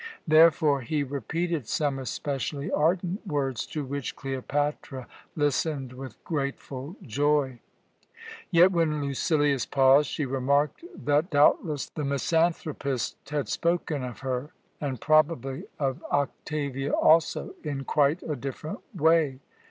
Therefore he repeated some especially ardent words, to which Cleopatra listened with grateful joy. Yet, when Lucilius paused, she remarked that doubtless the misanthropist had spoken of her, and probably of Octavia also, in quite a different way.